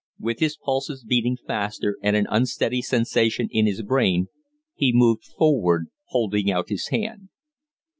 With his pulses beating faster and an unsteady sensation in his brain, he moved forward holding out his hand.